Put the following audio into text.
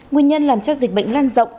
nguyên nhân làm cho dịch bệnh lan rộng